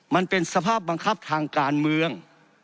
มันเป็นสภาพบังคับทางการเมือง